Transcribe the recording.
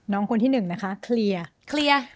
น้องคนที่หนึ่งนะคะเคลียร์